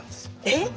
えっ？